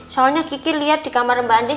soalnya kiki lihat di kamar mbak andi